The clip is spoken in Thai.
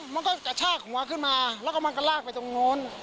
มันก็กระชากหัวขึ้นมาแล้วก็มันก็ลากไปตรงนู้น